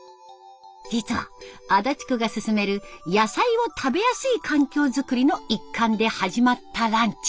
実は足立区がすすめる野菜を食べやすい環境づくりの一環で始まったランチ。